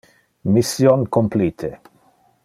Mission complite!